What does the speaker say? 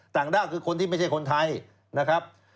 ด้าวคือคนที่ไม่ใช่คนไทยนะครับ